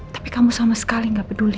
tapi kamu sama sekali gak peduli